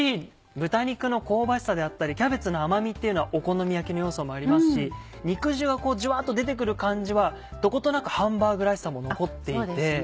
豚肉の香ばしさであったりキャベツの甘みっていうのはお好み焼きの良さもありますし肉汁がジュワっと出てくる感じはどことなくハンバーグらしさも残っていて。